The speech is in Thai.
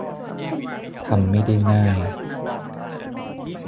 ทำไม่ได้ง่าย